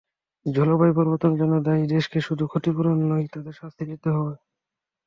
জলবায়ু পরিবর্তনের জন্য দায়ী দেশকে শুধু ক্ষতিপূরণ নয়, তাদের শাস্তি দিতে হবে।